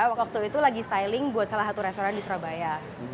waktu itu lagi styling buat salah satu restoran di surabaya